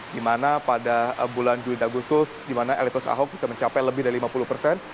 di mana pada bulan juli dan agustus di mana elektus ahok bisa mencapai lebih dari lima puluh persen